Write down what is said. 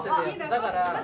だから。